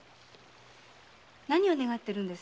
何を願っているんです？